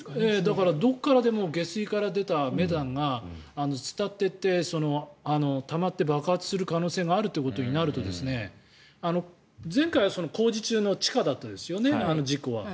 だから、どこからでも下水から出たメタンが伝っていって、たまって爆発する可能性があるということになると前回、工事中の地下でしたよねあの事故は。